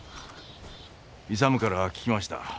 勇から聞きました。